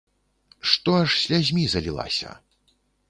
Што аж слязьмі залілася.